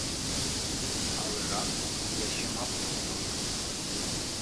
Але рано я ще мав молоток.